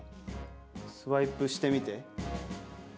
スワイプしてみて。